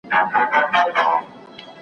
سفر د انسان تجربه پراخوي.